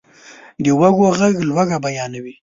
د وږو ږغ لوږه بیانوي.